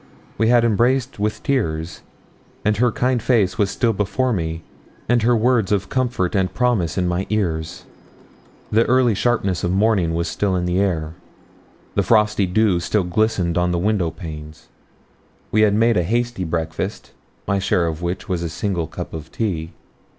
We had embraced with tears; and her kind face was still before me, and her words of comfort and promise in my ears. The early sharpness of morning was still in the air; the frosty dew still glistened on the window panes. We had made a hasty breakfast, my share of which was a single cup of tea.